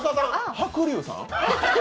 白龍さん？